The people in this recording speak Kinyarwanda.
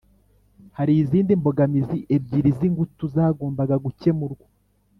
Hari izindi mbogamizi ebyiri z ingutu zagombaga gukemurwa